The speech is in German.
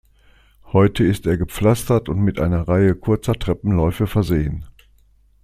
Heute ist er gepflastert und mit einer Reihe kurzer Treppenläufe versehen.